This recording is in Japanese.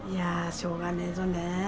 しょうがねえよ。